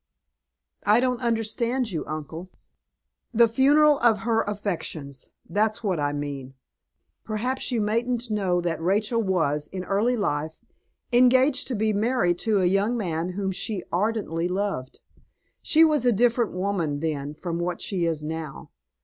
"I don't understand you, uncle." "The funeral of her affections, that's what I mean. Perhaps you mayn't know that Rachel was, in early life, engaged to be married to a young man whom she ardently loved. She was a different woman then from what she is now.